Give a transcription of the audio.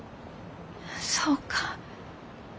そうか。